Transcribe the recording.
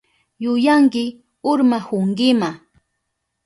Yuyanki urmahunkima.